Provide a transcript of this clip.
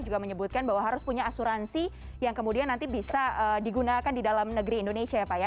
juga menyebutkan bahwa harus punya asuransi yang kemudian nanti bisa digunakan di dalam negeri indonesia ya pak ya